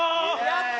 やった！